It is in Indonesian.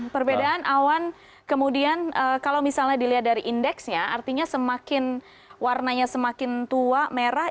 perbedaan awan kemudian kalau misalnya dilihat dari indeksnya artinya semakin warnanya semakin tua merah